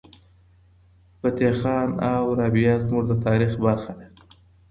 فتح خان او رابعه زموږ د تاریخ برخه ده.